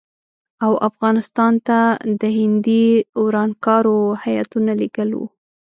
او افغانستان ته د هندي ورانکارو هیاتونه لېږل وو.